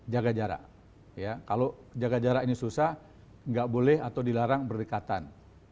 jaga jarak kalau jaga jarak ini susah nggak boleh atau dilarang berdekatan